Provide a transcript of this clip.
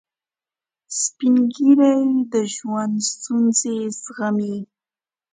سپین ږیری د ژوند ستونزې زغمي